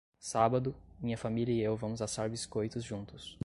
Sábado, minha família e eu vamos assar biscoitos juntos.